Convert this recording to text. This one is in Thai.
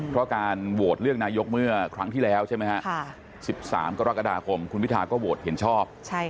เพราะการโหวตเลือกนายกเมื่อครั้งที่แล้ว๑๓๑๑คุณพิทาก็โหวตเห็นชอบ